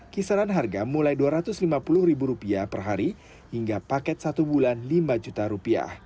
kisaran harga mulai rp dua ratus lima puluh per hari hingga paket satu bulan rp lima